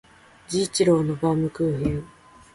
治一郎のバームクーヘン